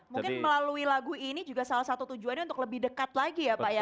mungkin melalui lagu ini juga salah satu tujuannya untuk lebih dekat lagi ya pak ya